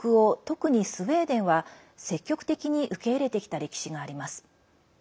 特にスウェーデンは積極的に受け入れてきた歴史があります。